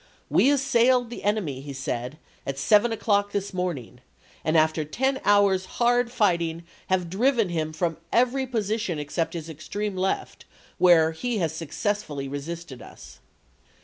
" We assailed the enemy," he said, "at seven o'clock this morning, and after ten hours' hard fighting have driven him from every position except his extreme left, where he has successfully resisted us."